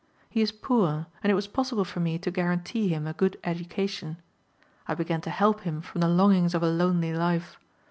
He is poor, and it was possible for me to guarantee him a good education. I began to help him from the longings of a lonely life.